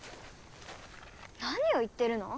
何を言ってるの？